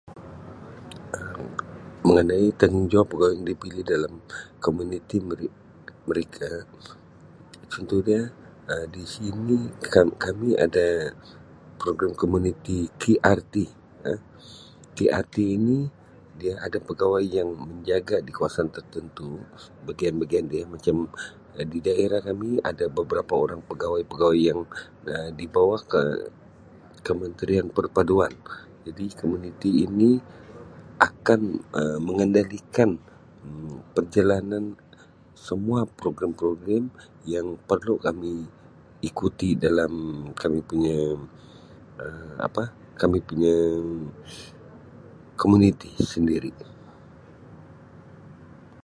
Um Mengenai tanggungjawab pegawai yang dipilih dalam komuniti mere-mereka, contoh dia Um di sini ka-kami ada program komuniti KRT Um, KRT ini ada pegawai yang menjaga di kawasan tertentu, bahagian-bahagian dia macam Um di daerah kami ada beberapa orang pegawai-pegawai yang Um dibawah ke-kementerian perpaduan jadi komuniti ini akan Um mengendalikan Um perjalanan semua program-program yang perlu kami ikuti dalam kami punya Um apa kami punya komuniti sendiri.